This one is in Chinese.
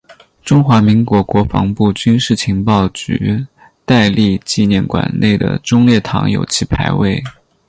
中华民国国防部军事情报局戴笠纪念馆内的忠烈堂有其牌位。